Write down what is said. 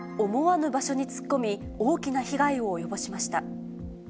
思わぬ場所に突っ込み、大きな被害を及ぼしました。